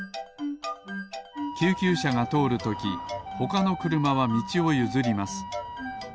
救急車がとおるときほかのくるまはみちをゆずります。